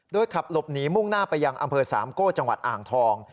ขับหลบหนีมุ่งหน้าไปยังอำเภอสามโก้จังหวัดอ่างทอง